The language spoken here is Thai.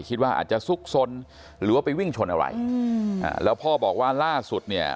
คิดว่าอาจจะซุกซนหรือว่าไปวิ่งชนอะไรอืมอ่าแล้วพ่อบอกว่าล่าสุดเนี่ย